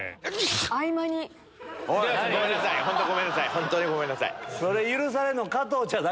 本当にごめんなさい！